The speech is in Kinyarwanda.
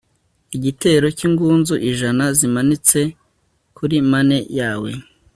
igitero cyingunzu ijana zimanitse kuri mane yawe